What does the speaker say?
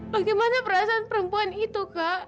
bagaimana perasaan perempuan itu